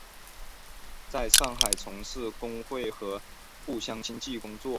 在上海从事工会和互济会工作。